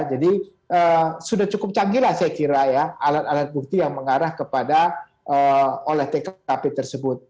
jadi sudah cukup canggih lah saya kira ya alat alat bukti yang mengarah kepada olah tkp tersebut